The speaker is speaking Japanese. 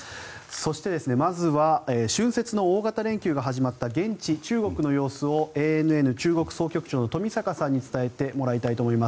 そしてまずは春節の大型連休が始まった現地、中国の様子をＡＮＮ中国総局長の冨坂さんに伝えてもらいたいと思います。